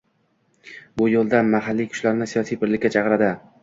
bu yo'lda mahalliy kuchlarni siyosiy birlikka chaqiradi.